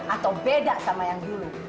atau beda sama yang dulu